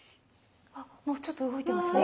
もうちょっと動いてますね。